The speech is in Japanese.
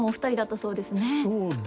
そうですね。